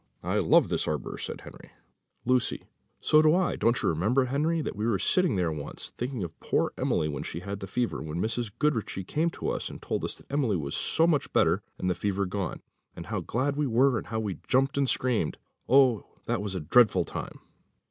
"I love this arbour," said Henry. Lucy. "So do I; don't you remember, Henry, that we were sitting here once, thinking of poor Emily when she had the fever, when Mrs. Goodriche came to us and told us that Emily was so much better and the fever gone, and how glad we were, and how we jumped and screamed? Oh! that was a dreadful time."